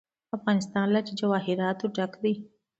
افغانستان له جواهرات ډک دی.